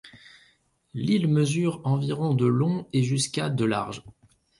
L'île mesure environ de long et jusqu'à de large.